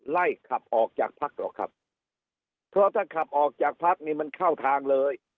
ไล่ขับออกจากพักหรอกครับเพราะถ้าขับออกจากพักนี่มันเข้าทางเลย